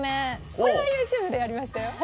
これはＹｏｕＴｕｂｅでやりましたよ。